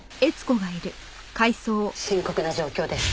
深刻な状況です。